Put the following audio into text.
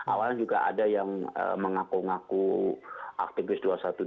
awalnya juga ada yang mengaku ngaku aktivis dua ratus dua belas